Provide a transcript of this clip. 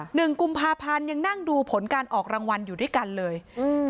หนึ่งกุมภาพันธ์ยังนั่งดูผลการออกรางวัลอยู่ด้วยกันเลยอืม